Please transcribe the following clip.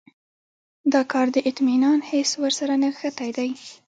دا کار د اطمینان حس ورسره نغښتی دی.